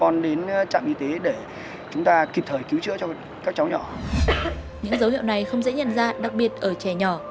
những dấu hiệu này không dễ nhận ra đặc biệt ở trẻ nhỏ